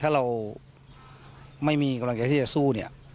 ถ้าเราไม่มีกำลังใจที่จะสู้เนี่ย